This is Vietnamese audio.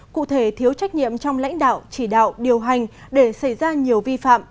cụ thể thiếu trách nhiệm trong lãnh đạo chỉ đạo điều hành để xảy ra nhiều vi phạm